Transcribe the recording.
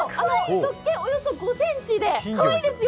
直径およそ５ｃｍでかわいいんです。